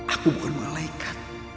aku bukan malaikat